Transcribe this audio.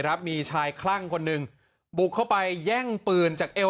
มีชายคลั่งคนหนึ่งบุกเข้าไปแย่งปืนจากเอว